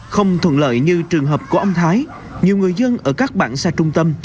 không thuận lợi như trường hợp của ông thái nhiều người dân ở các bản xa trung tâm